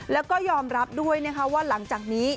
แล้วก็ยอมรับด้วยนะคะว่าหลังจากนี้